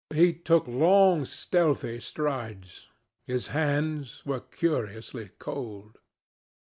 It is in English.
He took long stealthy strides. His hands were curiously cold.